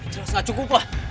jelas gak cukup lah